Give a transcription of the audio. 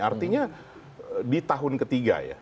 artinya di tahun ketiga ya